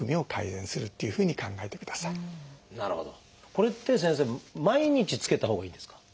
これって先生毎日着けたほうがいいですか？